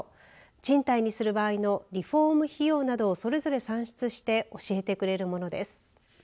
賃貸にする場合のリフォーム費用などをそれぞれ算出して教えてくれるものです。